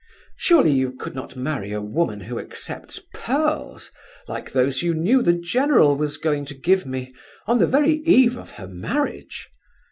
Surely you could not marry a woman who accepts pearls like those you knew the general was going to give me, on the very eve of her marriage?